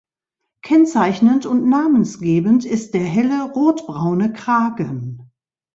Kennzeichnend und namensgebend ist der helle rotbraune Kragen.